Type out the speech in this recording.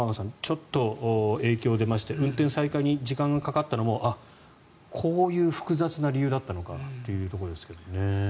ちょっと影響出まして運転再開に時間がかかったのもこういう複雑な理由があったのかということですね。